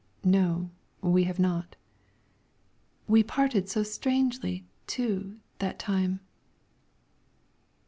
"No; we have not." "We parted so strangely, too, that time."